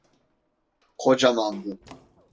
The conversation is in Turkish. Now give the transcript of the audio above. Kocamandı.